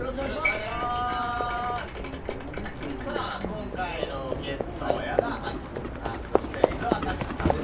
今回のゲスト矢田亜希子さんそして伊沢拓司さんです